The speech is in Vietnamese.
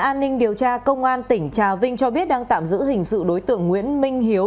an ninh điều tra công an tỉnh trà vinh cho biết đang tạm giữ hình sự đối tượng nguyễn minh hiếu